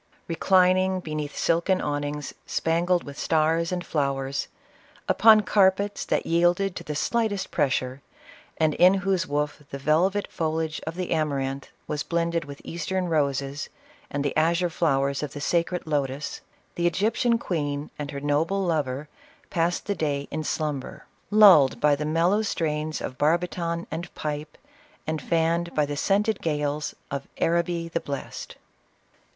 • Reclining beneath silken awnings spangled with stars and flowers, upon carpets that yielded to the slightest pressure, and in whose woof the velvet foli age of the amaranth was blended with Eastern roses, and the azure flowers of the sacred lotus, the Egyptian queen and her noble lover passed the day in slumber, lulled by the mellow strains of barbiton and pipe, and fanned by the scented gales of " Araby the Blest." At CLEOPATRA.